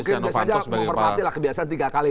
biasanya menghormati lah kebiasaan tiga kali